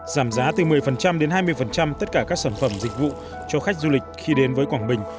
giảm giá từ một mươi đến hai mươi tất cả các sản phẩm dịch vụ cho khách du lịch khi đến với quảng bình